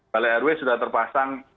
balai rw sudah terpasang